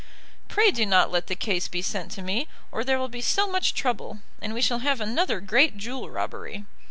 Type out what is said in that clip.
Pray do not let the case be sent to me, or there will be so much trouble, and we shall have another great jewel robbery.